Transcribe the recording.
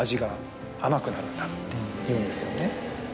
っていうんですよね。